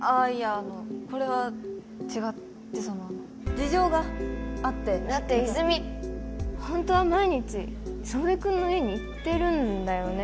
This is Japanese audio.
あのこれは違ってその事情があってだって泉ホントは毎日祖父江君の家に行ってるんだよね？